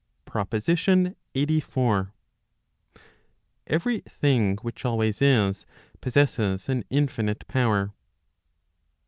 PROPOSITION LXXXIV. Every thing which always is, possesses an infinite power.